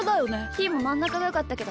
ひーもまんなかがよかったけど。